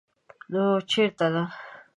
_نو چېرته ده؟